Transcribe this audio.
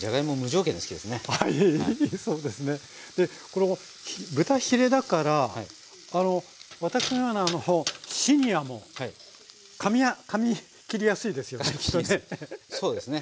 この豚ヒレだから私のようなシニアもかみ切りやすいですよねきっとね。